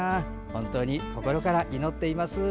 本当に心から祈っています。